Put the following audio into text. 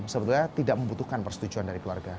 sebetulnya tidak membutuhkan persetujuan dari keluarga